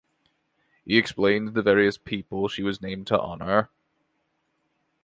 He explains the various people she was named to honor.